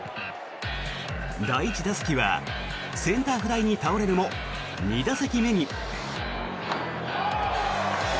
第１打席はセンターフライに倒れるも２打席目に。